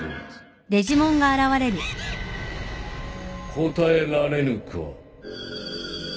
答えられぬか。